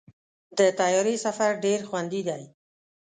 د طیارې سفر ډېر خوندي دی.